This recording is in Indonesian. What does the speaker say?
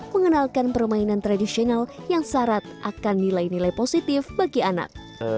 mengenalkan permainan tradisional yang syarat akan nilai nilai positif bagi anak